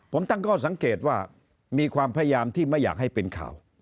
ผมตั้งข้อสังเกตว่ามีความพยายามที่ไม่อยากให้เป็นข่าว